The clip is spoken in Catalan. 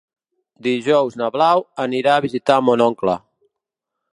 Dijous na Blau anirà a visitar mon oncle.